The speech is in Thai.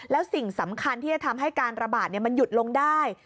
แล้วสิ่งสำคัญที่จะทำให้การระบาดมันหยุดลงได้